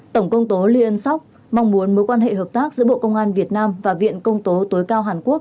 tổng công tố lyonc mong muốn mối quan hệ hợp tác giữa bộ công an việt nam và viện công tố tối cao hàn quốc